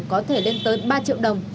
có thể lên tới ba triệu đồng